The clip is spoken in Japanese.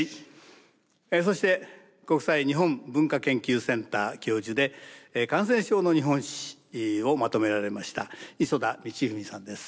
そして国際日本文化研究センター教授で「感染症の日本史」をまとめられました磯田道史さんです。